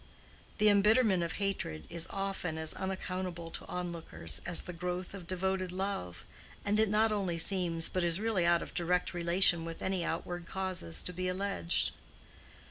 The embitterment of hatred is often as unaccountable to onlookers as the growth of devoted love, and it not only seems but is really out of direct relation with any outward causes to be alleged.